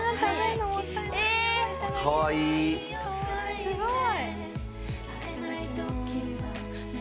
すごい！